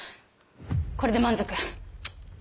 これで満足？